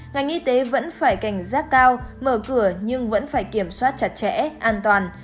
ngành y tế vẫn phải cảnh giác cao mở cửa nhưng vẫn phải kiểm soát chặt chẽ an toàn